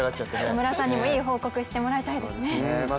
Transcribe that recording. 野村さんにもいい報告してもらいたいですね。